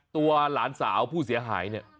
ตัวหลานสาวผู้เสียหาย